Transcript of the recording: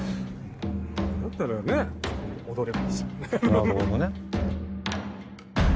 なるほどね。